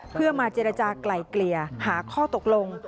เพื่อมาเจรจากลายเกลี่ยหาข้อตกลง